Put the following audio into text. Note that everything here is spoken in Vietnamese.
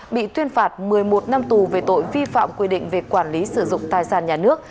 bị tuyên phạt một mươi một năm tù về tội vi phạm quy định về quản lý sử dụng tài sản nhà nước